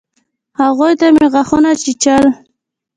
هغوى ته مې غاښونه چيچل.